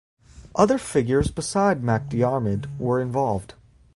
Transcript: Other figures besides MacDiarmid were involved.